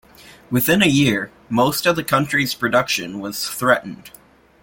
Within a year, most of the country's production was threatened.